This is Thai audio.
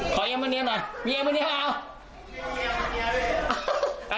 ถอยเย็มหนีนหน่อยเอา